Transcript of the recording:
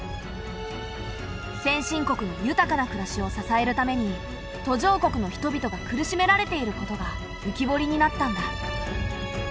先進国の豊かな暮らしを支えるために途上国の人々が苦しめられていることがうきぼりになったんだ。